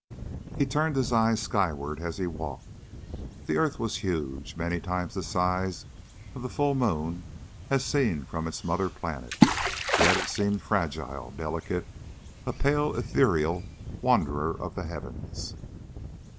He turned his eyes skyward as he walked. The earth was huge, many times the size of the full moon as seen from its mother planet, yet it seemed fragile, delicate, a pale ethereal wanderer of the heavens.